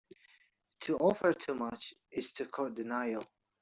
To offer too much, is to court denial.